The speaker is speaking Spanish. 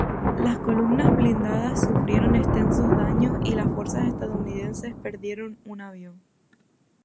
Las columnas blindadas sufrieron extensos daños y las fuerzas estadounidenses perdieron un avión.